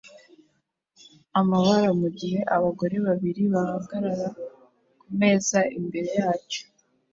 amabara mugihe abagore babiri bahagarara kumeza imbere yacyo.